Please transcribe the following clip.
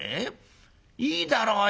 いいだろうよ